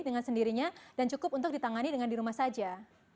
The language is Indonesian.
dengan sendirinya dan cukup untuk ditangani dengan di rumah saja